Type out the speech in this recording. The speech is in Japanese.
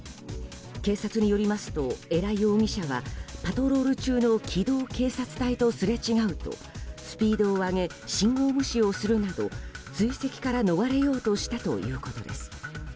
警察によりますと恵良容疑者はパトロール中の機動警察隊とすれ違うとスピードを上げ信号無視をするなど追跡から逃れようとしたということです。